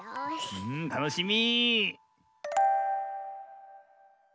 うんたのしみ。